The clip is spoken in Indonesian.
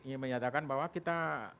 yang menyatakan bahwa kita